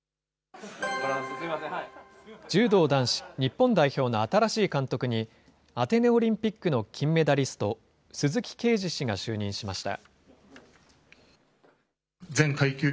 柔道男子日本代表の新しい監督に、アテネオリンピックの金メダリスト、鈴木桂治氏が就任しました。